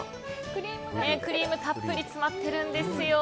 クリームたっぷり詰まってるんですよ。